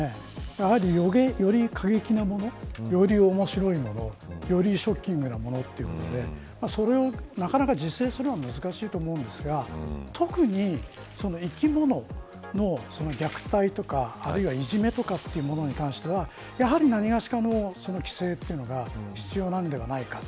やはり、より過激なものより面白いもの。よりショッキングなものというのでそれをなかなか自制するのは難しいと思うんですが特に、生き物の虐待とか、あるいはいじめとかというものに関してはやはり何がしかの規制というのが必要なのではないか。